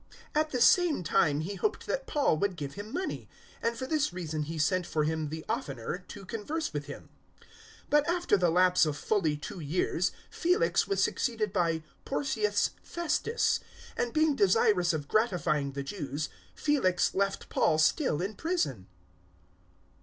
024:026 At the same time he hoped that Paul would give him money; and for this reason he sent for him the oftener to converse with him. 024:027 But after the lapse of fully two years Felix was succeeded by Porcius Festus; and being desirous of gratifying the Jews, Felix left Paul still in prison.